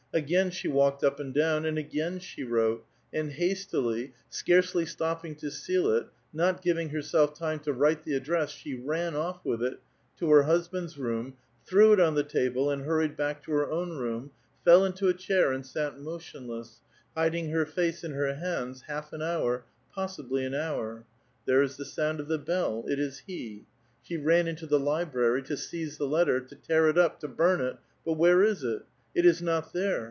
Again she wallced up and down, and again she wrote, and hastily, scarcely slopping to seal it ; not giving herself time to write the address, she ran off with it to her husband's room, threw it on the table, and hurried back to her own room, fell into a chair, and sat motionless, hiding her face in her hands, half an hour, possi bly an hour. There is the sound of the bell ; it is he. She ran into the library* to seize the letter, to tear it up, to burn it, — but where is it? It is not there!